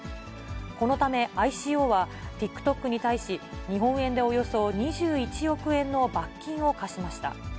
このためＩＣＯは、ＴｉｋＴｏｋに対し、日本円でおよそ２１億円の罰金を科しました。